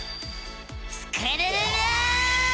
スクるるる！